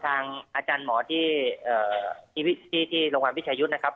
อาจารย์หมอที่โรงพยาบาลวิชายุทธ์นะครับ